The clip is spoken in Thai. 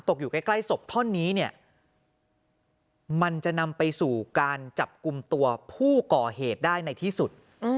อยู่ใกล้ศพท่อนนี้เนี่ยมันจะนำไปสู่การจับกลุ่มตัวผู้ก่อเหตุได้ในที่สุด